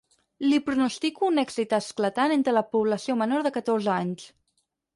Li pronostico un èxit esclatant entre la població menor de catorze anys.